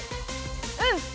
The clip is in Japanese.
うん！